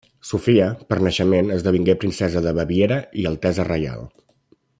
Sofia, per naixement, esdevingué princesa de Baviera i altesa reial.